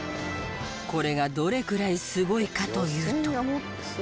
これがどれぐらいすごいかというと。